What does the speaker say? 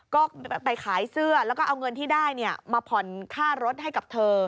ก็ไปขายเสื้อแล้วก็เอาเงินที่ได้มาผ่อนค่ารถให้กับเธอ